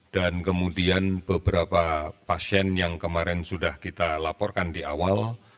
dan kemudian beberapa pasien yang kemarin sudah kita laporkan di awal